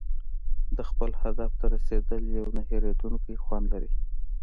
د خپل هدف ته رسېدل یو نه هېریدونکی خوند لري.